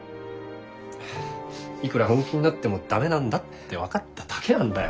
いくら本気になっても駄目なんだって分かっただけなんだよ。